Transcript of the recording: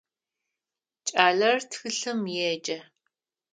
Кӏалэр тхылъым еджэ.